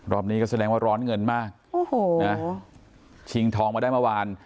รอบนี้ก็แสดงว่าร้อนเงินมากชิงทองมาได้มาวาน